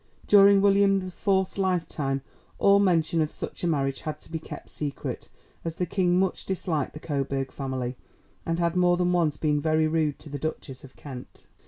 During William the Fourth's lifetime all mention of such a marriage had to be kept secret, as the King much disliked the Coburg family, and had more than once been very rude to the Duchess of Kent.